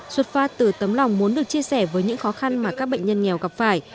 xuất phát từ tấm lòng muốn được chia sẻ với những khó khăn mà các bệnh nhân nghèo gặp phải